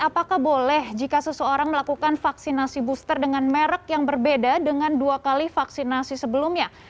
apakah boleh jika seseorang melakukan vaksinasi booster dengan merek yang berbeda dengan dua kali vaksinasi sebelumnya